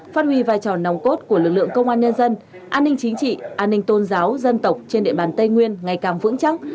phát huy vai trò nòng cốt của lực lượng công an nhân dân an ninh chính trị an ninh tôn giáo dân tộc trên địa bàn tây nguyên ngày càng vững chắc